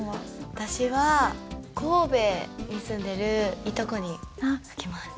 私は神戸に住んでるいとこに書きます。